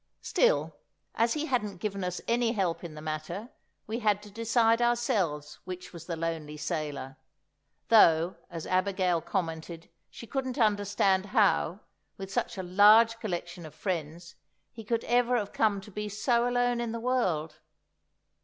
Still, as he hadn't given us any help in the matter, we had to decide ourselves which was the lonely sailor (though, as Abigail commented, she couldn't understand how, with such a large collection of friends, he could ever have come to be so alone in the world).